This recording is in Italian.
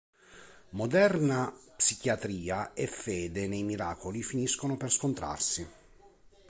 Moderna psichiatria e fede nei miracoli finiscono per scontrarsi.